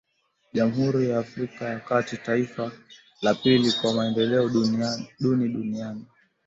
Jamhuri ya Afrika ya kati, taifa la pili kwa maendeleo duni duniani